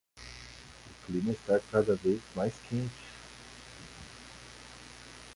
O clima está cada vez mais quente!